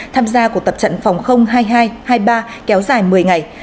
tham gia cuộc tập trận phòng hai mươi hai hai mươi ba kéo dài một mươi ngày